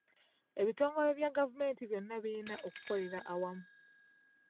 Ebtongole bya gavumenti byonna birina okukolera awamu.